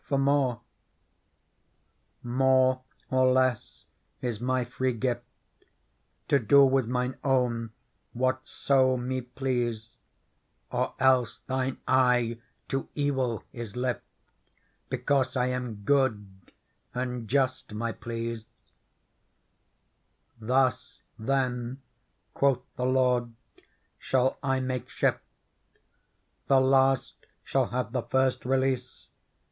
Digitized by Google PEARL 25 *^* More or less is my free gift To do with mine own whatso me please : Or else thine eye to evil is lift Because I am good, and just my pleas. Thus then/ quoth the lord, * shall I make shift : The last shall have the first release.